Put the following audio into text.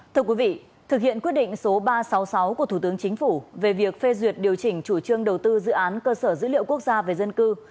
thưa quý vị thực hiện quyết định số ba trăm sáu mươi sáu của thủ tướng chính phủ về việc phê duyệt điều chỉnh chủ trương đầu tư dự án cơ sở dữ liệu quốc gia về dân cư